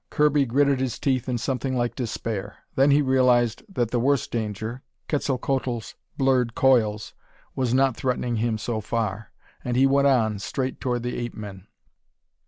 Kirby gritted his teeth in something like despair. Then he realized that the worst danger Quetzalcoatl's blurred coils was not threatening him so far. And he went on, straight toward the ape men.